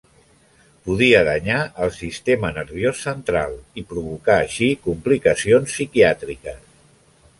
Podia danyar el sistema nerviós central, i provocar així complicacions psiquiàtriques.